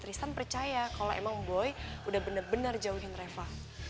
tristan percaya kalau emang boy udah bener bener jauhin reva